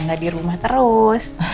gak di rumah terus